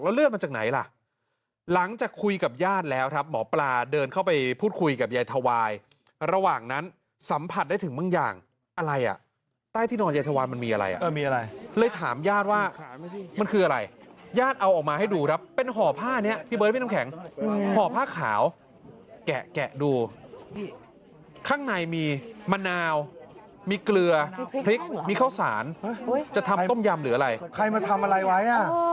ที่น่าตกใจจริงที่น่าตกใจจริงที่น่าตกใจจริงที่น่าตกใจจริงที่น่าตกใจจริงที่น่าตกใจจริงที่น่าตกใจจริงที่น่าตกใจจริงที่น่าตกใจจริงที่น่าตกใจจริงที่น่าตกใจจริงที่น่าตกใจจริงที่น่าตกใจจริงที่น่าตกใจจริงที่น่าตกใจจร